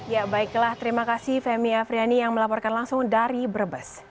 ya baiklah terima kasih femi afriani yang melaporkan langsung dari brebes